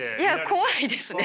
怖いですね。